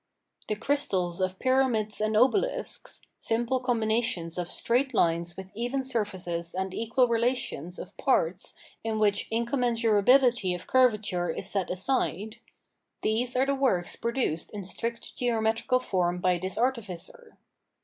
The crystals of Pyramids and Obehsks, simple combinations of straight lines with even surfaces and equal relations of parts in which incommensurabihty of curvature is set aside — these are the works produced in strict geo metrical form by this artificer.